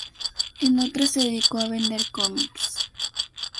En otra se dedicó a vender cómics.